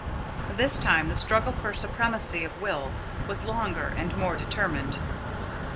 This time the struggle for supremacy of will was longer and more determined.